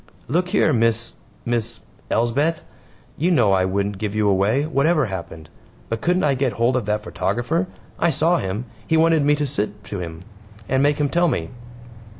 "Look here, Miss Miss Elsbeth. You know I wouldn't give you away, whatever happened. But couldn't I get hold of that photographer I saw him, he wanted me to sit to him and make him tell me?"